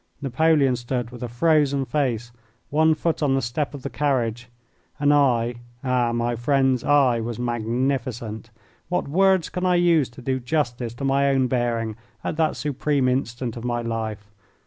Napoleon stood with a frozen face, one foot on the step of the carriage. And I ah, my friends, I was magnificent! What words can I use to do justice to my own bearing at that supreme instant of my life?